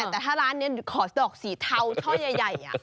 แต่ถ้าร้านนี้ขอดอกสีเทาช่อใหญ่